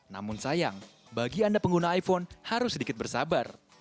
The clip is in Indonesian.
namun sayang bagi anda pengguna iphone harus sedikit bersabar